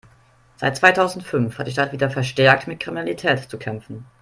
Seit zweitausendfünf hat die Stadt wieder verstärkt mit Kriminalität zu kämpfen.